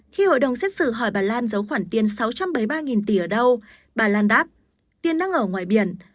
khi hội đồng xét xử hỏi bà lan giấu khoản tiền sáu trăm bảy mươi ba tỷ ở đâu bà landap tiền đang ở ngoài biển